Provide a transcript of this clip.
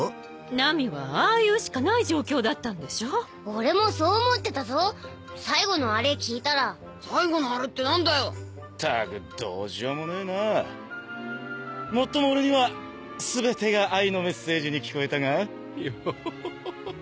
ナミはああ言うしかない状況だったんでしょ俺もそう思ってたぞ最後のアレ聞いたら最後のアレってなんだよったくどうしようもねえなァもっとも俺には全てが愛のメッセージに聞こえたがヨッホッホッホッホッ